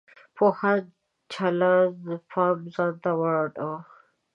پوهانو چلند پام ځان ته واړاوه.